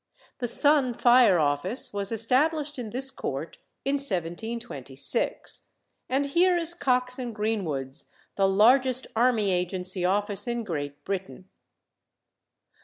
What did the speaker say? The Sun Fire office was established in this court in 1726; and here is Cox and Greenwood's, the largest army agency office in Great Britain.